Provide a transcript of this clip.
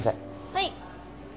はい。